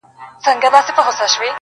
• د نارنج ګل به پرننګرهار وي -